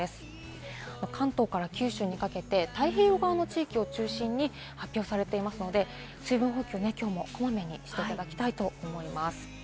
関東から九州にかけて太平洋側の地域を中心に発表されていますので、水分補給、きょうもこまめにしていただきたいと思います。